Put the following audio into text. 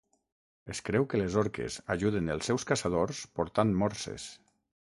Es creu que les orques ajuden els seus caçadors portant morses.